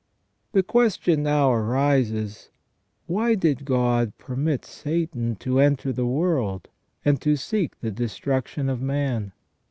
The question now arises : Why did God permit Satan to enter the world, and to seek the destruction of man